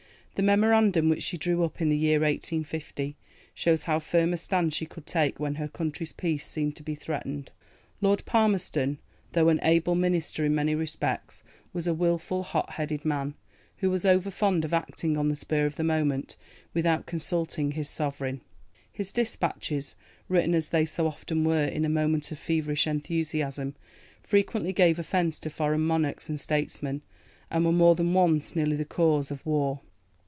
The Memorandum which she drew up in the year 1850 shows how firm a stand she could take when her country's peace seemed to be threatened. Lord Palmerston, though an able Minister in many respects, was a wilful, hot headed man, who was over fond of acting on the spur of the moment without consulting his Sovereign. His dispatches, written as they so often were in a moment of feverish enthusiasm, frequently gave offence to foreign monarchs and statesmen, and were more than once nearly the cause of war.